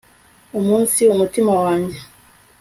Umunsi umutima wanjye